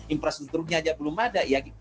infrastrukturnya aja belum ada